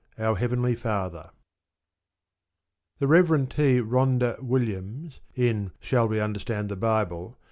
OUR HEAVENLY FATHER The Rev. T. Rhondda Williams, in _Shall We Understand the Bible?